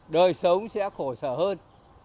đời sống sẽ khổ sở hơn